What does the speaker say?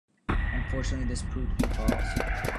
Unfortunately, this proved to be false.